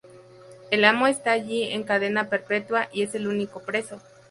El Amo está allí en cadena perpetua y es el único preso.